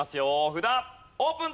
札オープン！